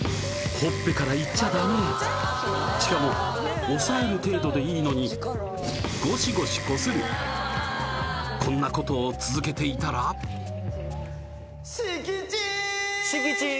ほっぺからいっちゃダメしかも押さえる程度でいいのにゴシゴシこするこんなことを続けていたらシキチン！